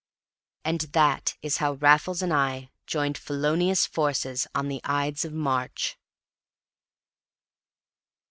And that is how Raffles and I joined felonious forces on the Ides of March.